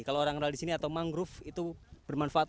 kalau orang orang di sini atau mangrove itu bermanfaat